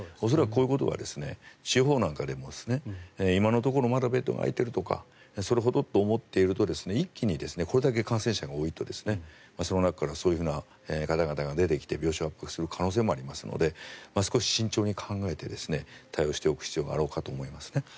恐らくこういうことが地方なんかでも今のところまだベッドが空いているとかそれほどと思っていると一気にこれだけ感染者が多いとその中からそういう方が出てきて病床圧迫する可能性もありますので、慎重に考えて対応しておく必要もあろうかと思いますね。